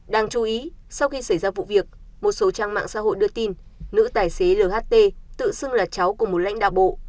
đáng chú ý sau khi xảy ra vụ việc một số trang mạng xã hội đưa tin nữ tài xế nht tự xưng là cháu của một lãnh đạo bộ